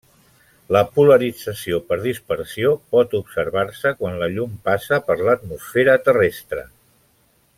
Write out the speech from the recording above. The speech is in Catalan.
La polarització per dispersió pot observar-se quan la llum passa per l'Atmosfera terrestre.